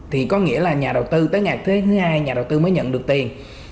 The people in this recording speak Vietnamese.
thì có nghĩa là nhà đầu tư tới ngày thứ hai nhà đầu tư mới nhận được tiền